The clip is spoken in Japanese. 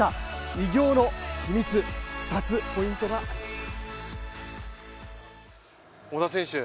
偉業の秘密、２つポイントがありました。